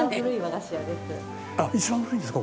あっ一番古いんですか？